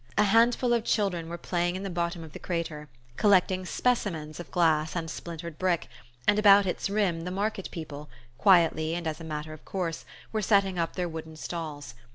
A handful of children were playing in the bottom of the crater, collecting "specimens" of glass and splintered brick; and about its rim the market people, quietly and as a matter of course, were setting up their wooden stalls.